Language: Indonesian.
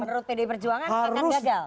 menurut pd perjuangan kan gagal